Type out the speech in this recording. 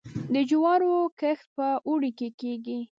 د جوارو کښت په اوړي کې کیږي.